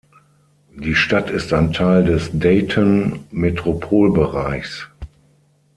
Die Stadt ist ein Teil des Dayton-Metropolbereichs.